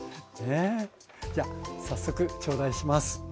じゃあ早速頂戴します。